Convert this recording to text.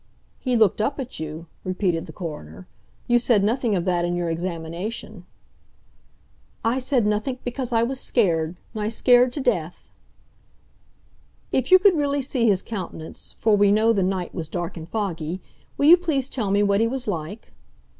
"He looked up at you?" repeated the coroner. "You said nothing of that in your examination." "I said nothink because I was scared—nigh scared to death!" "If you could really see his countenance, for we know the night was dark and foggy, will you please tell me what he was like?"